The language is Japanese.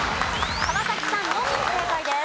川さんのみ正解です。